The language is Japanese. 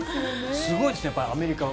すごいですねアメリカは。